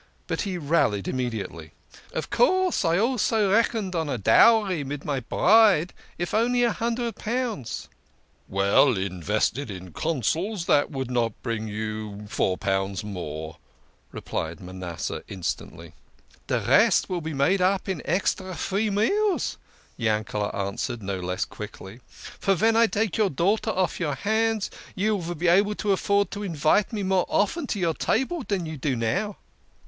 But he rallied immediately. " Of course, I also reckoned on a dowry mid my bride, if only a hundred pounds." " Well, invested in Consols, that would not bring you four pounds more," replied Manasseh instantly. THE KING OF SCHNORRERS. 77 * The rest vill be made up in extra free meals," Yankel answered no less quickly. " For ven I take your daughter off your hands you vill be able to afford to invite me more often to your table dan you do now."